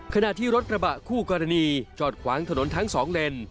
ขณะที่รถกระบะคู่กรณีจอดขวางถนนทั้งสองเลน